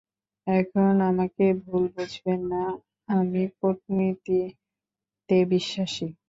এখন, আমাকে ভুল বুঝবেন না, আমি কূটনীতিতে বিশ্বাসী।